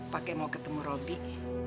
pake mau ketemu robby